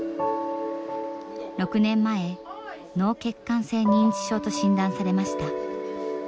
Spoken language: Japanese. ６年前脳血管性認知症と診断されました。